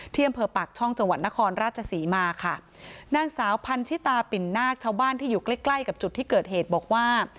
อำเภอปากช่องจังหวัดนครราชศรีมาค่ะนางสาวพันธิตาปิ่นนาคชาวบ้านที่อยู่ใกล้ใกล้กับจุดที่เกิดเหตุบอกว่า